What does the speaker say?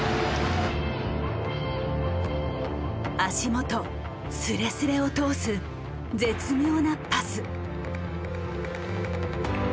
足元すれすれを通す絶妙なパス。